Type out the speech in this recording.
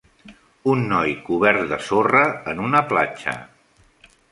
Un noi cobert de sorra en una platja.